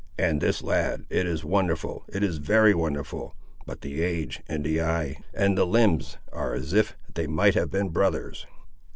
And this lad—it is wonderful, it is very wonderful; but the age, and the eye, and the limbs are as if they might have been brothers!